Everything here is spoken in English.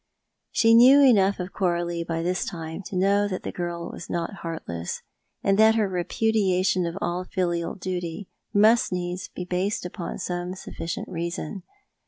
She knew enough of Coralio by this time to know that the girl was not heartless, and that her rejtudiation of all filial duty must needs be based upon some sufficient reason.